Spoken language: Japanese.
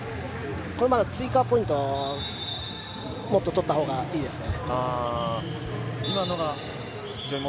追加ポイントをもっと取ったほうがいいですね。